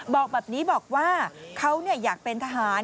บอกแบบนี้บอกว่าเขาอยากเป็นทหาร